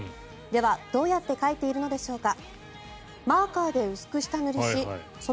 では、どうやって描いているのでしょうか。